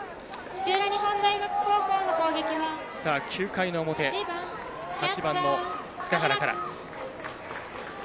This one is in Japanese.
９回の表、８番の塚原から。